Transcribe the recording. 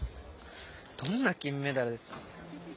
どんな金メダルですか。